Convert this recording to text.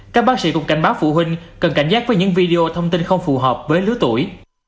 các bác sĩ cũng cảnh báo phụ huynh cần cảnh giác với những video thông tin không phù hợp với lứa tuổi